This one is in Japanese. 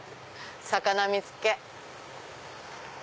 魚見つけ！